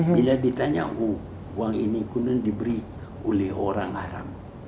bila ditanya uang ini kena diberi oleh orang haram